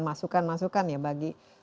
masukan masukan ya bagi